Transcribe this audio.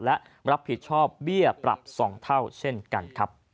และรับผิดชอบเบี้ยปรับ๒เท่าเช่นกันครับ